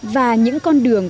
và những con đường